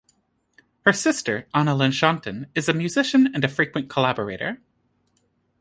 Her sister Ana Lenchantin is a musician and a frequent collaborator.